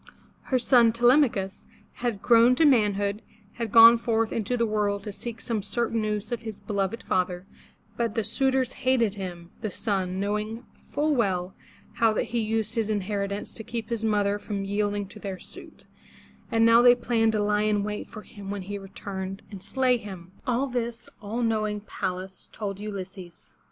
Her son Te lem'a chus, now grown to man hood, had gone forth into the world to seek some certain news of his beloved father, but the suitors hated him, the son, knowing full well how that he used his influence to keep his mother from yielding to their suit, and now they planned to lie in wait for him when he returned and slay him. All this, all knowing Pallas told Ulysses.